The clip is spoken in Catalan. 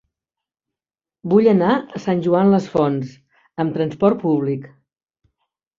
Vull anar a Sant Joan les Fonts amb trasport públic.